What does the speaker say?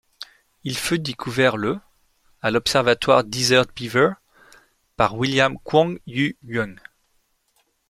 Il fut découvert le à l'Observatoire Desert Beaver par William Kwong Yu Yeung.